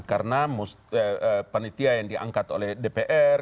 karena panitia yang diangkat oleh dpr